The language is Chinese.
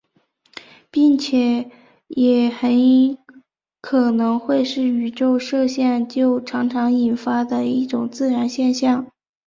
并且也很可能会是宇宙射线就常常引发的一种自然现象。